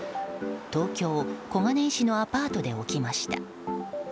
東京・小金井市のアパートで起きました。